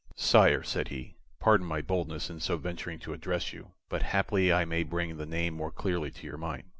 "Sire," said he, "pardon my boldness in so venturing to address you, but haply I may bring the name more clearly to your mind.